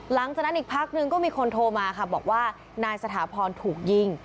หลังจากนั้นอีกพักนึงก็มีคนโทรมาค่ะบอกว่านายสถาพรถูกยิง